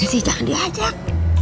jessy jangan diajak